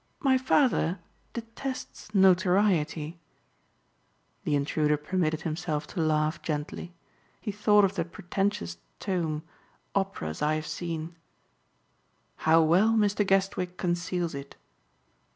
"My father detests notoriety." The intruder permitted himself to laugh gently. He thought of that pretentious tome "Operas I Have Seen." "How well Mr. Guestwick conceals it!"